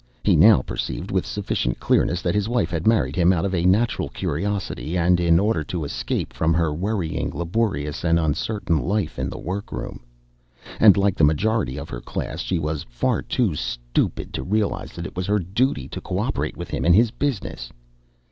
He now perceived with sufficient clearness that his wife had married him out of a natural curiosity and in order to escape from her worrying, laborious, and uncertain life in the workroom; and, like the majority of her class, she was far too stupid to realise that it was her duty to co operate with him in his business.